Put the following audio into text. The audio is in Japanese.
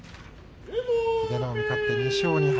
英乃海、勝って２勝２敗。